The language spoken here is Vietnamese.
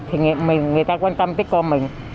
thì người ta quan tâm tới con mình